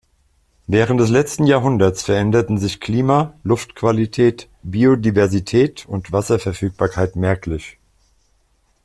Während des letzten Jahrhunderts veränderten sich Klima, Luftqualität, Biodiversität und Wasserverfügbarkeit merklich.